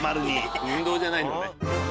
運動じゃないんだね。